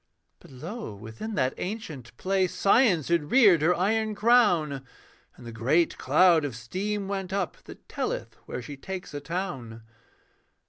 But Lo, within that ancient place Science had reared her iron crown, And the great cloud of steam went up That telleth where she takes a town.